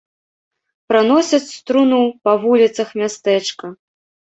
Праносяць труну па вуліцах мястэчка.